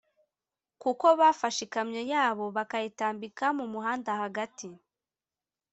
kuko bafashe ikamyo yabo bayitambika mu muhanda hagati”